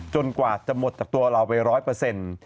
กว่าจะหมดจากตัวเราไปร้อยเปอร์เซ็นต์